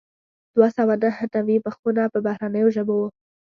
دوه سوه نهه نوي مخونه په بهرنیو ژبو وو.